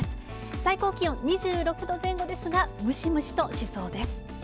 最高気温、２６度前後ですが、ムシムシとしそうです。